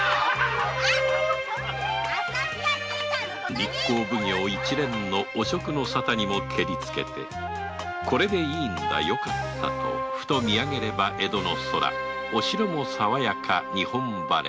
日光奉行一連の汚職の沙汰にもけりつけてこれでいいんだよかったとふと見上げれば江戸の空お城もさわやか日本晴れ